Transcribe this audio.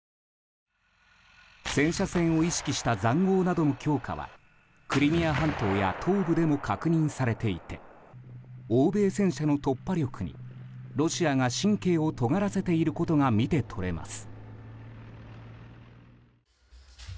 戦車戦を意識した塹壕などの強化はクリミア半島や東部でも確認されていて欧米戦車の突破力にロシアが神経をとがらせていることが見て取れます。